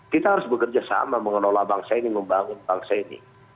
kita harus bekerja sama mengelola bangsa ini membangun bangsa ini